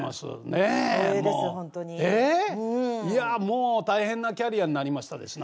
いやもう大変なキャリアになりましたですな。